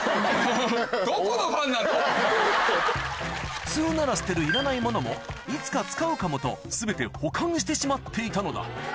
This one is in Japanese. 普通なら捨てるいらないものもいつか使うかもと全て保管してしまっていたのだ